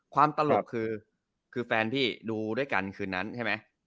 ตลกคือแฟนพี่ดูด้วยกันคืนนั้นใช่ไหม